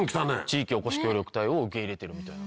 地域おこし協力隊を受け入れてるみたいです。